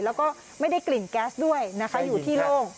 แล้วก็ไม่ได้กลิ่นแก๊สด้วยนะคะอยู่ที่โล่ง